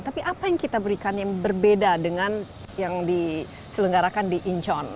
tapi apa yang kita berikan yang berbeda dengan yang diselenggarakan di incheon